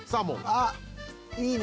「あっ！いいね」